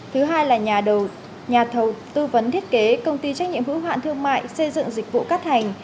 thứ hai là nhà thầu tư vấn thiết kế công ty trách nhiệm hữu hạn thương mại xây dựng dịch vụ cát thành